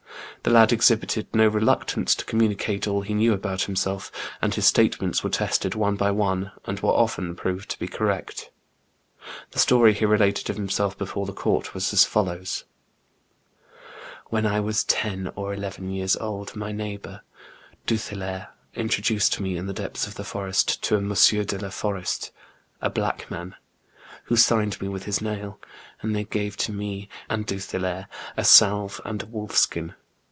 The lad exhibited no reluctance to communicate all he knew about liimself, and his statements were tested one by one, and were often proved to be correct. The story he related of himself before the court was as follows :—" When I was ten or eleven years old, my neighbour, Duthillaire, introduced me, in the depths of the forest, to a M. de la Forest, a black man, who signed me with his nail, and then gave to me and Duthillaire a salve and a wolf skin.